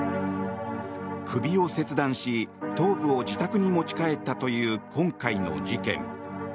首を切断し頭部を自宅に持ち帰ったという今回の事件。